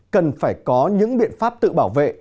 cần phải có những biện pháp tự bảo vệ